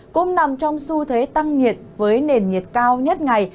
cũng nằm trong xu thế tăng nhiệt với nền nhiệt cao nhất ngày